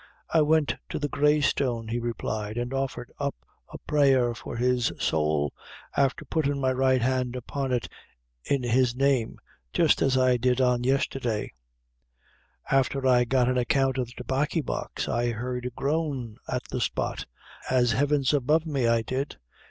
"I went to the Grey Stone," he replied, "an' offered up a prayer for his sowl, afther puttin' my right hand upon it in his name, jist as I did on yesterday; afther I got an account of the tobaccy box, I heard a groan at the spot as heaven's above me, I did."